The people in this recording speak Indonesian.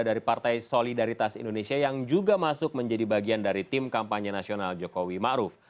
dari partai solidaritas indonesia yang juga masuk menjadi bagian dari tim kampanye nasional jokowi ⁇ maruf ⁇